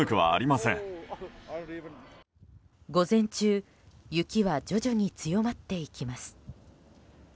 午前中雪は徐々に強まっていきます。